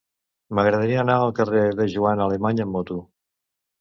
M'agradaria anar al carrer de Joana Alemany amb moto.